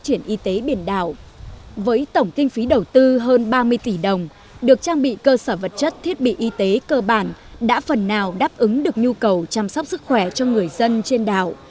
trong tổng kinh phí đầu tư hơn ba mươi tỷ đồng được trang bị cơ sở vật chất thiết bị y tế cơ bản đã phần nào đáp ứng được nhu cầu chăm sóc sức khỏe cho người dân trên đảo